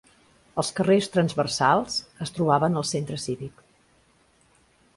Els carrers transversals es trobaven al centre cívic.